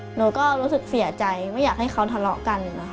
หนูก็รู้สึกเสียใจไม่อยากให้เขาทะเลาะกันนะคะ